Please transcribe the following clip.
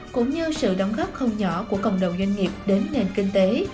cũng như sự đóng góp không nhỏ của cộng đồng doanh nghiệp đến nền kinh tế